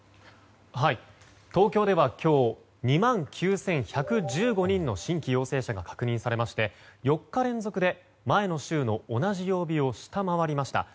東京では今日２万９１１５人の新規陽性者が確認されまして４日連続で前の週の同じ曜日を下回りました。